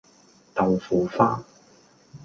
豆腐花